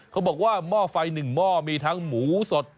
เขาบอกว่าหม้อไฟ๑หม้อมีทั้งหมูสด